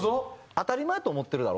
当たり前やと思ってるだろ？